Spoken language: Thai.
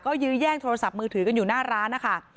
ยื้อแย่งโทรศัพท์มือถือกันอยู่หน้าร้านนะคะ